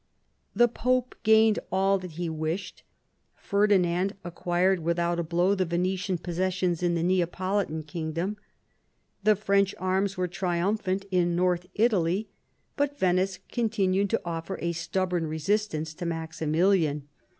The Pope gained all that he wished; Ferdinand acquired without a blow the Venetian possessions in the Neapoli tan kingdom; the French arms were triumphant in North Italy ; but Venice continued to oflFer a stubborn resistance to Maximilian.